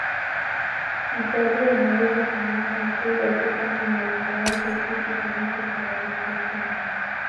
mtalii anaweza kumuona chui akifanya mawindo yake kitu kinachofurahisha sana